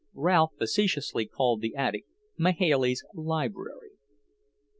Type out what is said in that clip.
Ralph facetiously called the attic "Mahailey's library."